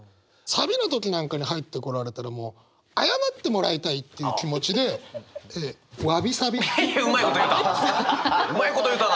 サビの時なんかに入ってこられたらもう謝ってもらいたいっていう気持ちでうまいこと言うた！